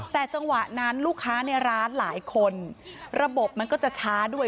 แต่จังหวะนั้นลูกค้าในร้านหลายคนระบบมันก็จะช้าด้วย